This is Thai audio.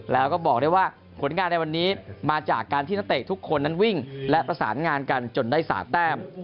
แล้วก็บอกได้ว่าผลงานในวันนี้มาจากการที่นักเตะทุกคนนั้นวิ่งและประสานงานกันจนได้๓แต้ม